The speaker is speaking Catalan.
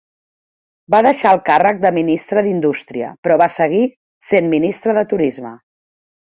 Va deixar el càrrec de ministre d'indústria, però va seguir sent ministre de turisme.